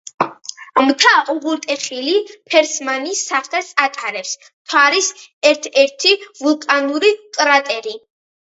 მთა, უღელტეხილი; ფერსმანის სახელს ატარებს მთვარის ერთ-ერთი ვულკანური კრატერი.